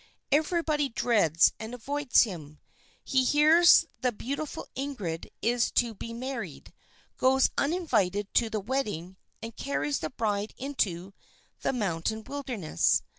Everybody dreads and avoids him. He hears that the beautiful Ingrid is to be married, goes uninvited to the wedding, and carries the bride into the mountain wilderness.